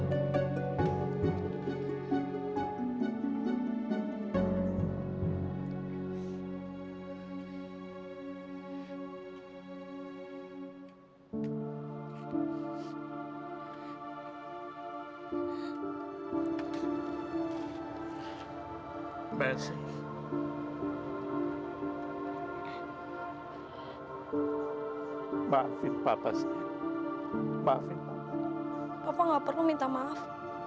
papa tidak perlu minta maaf